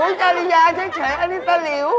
หรือว่าตะหลียาใช่ใช่อันนี้ตะหลิว